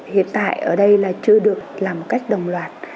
hiện tại ở đây là chưa được làm một cách đồng loạt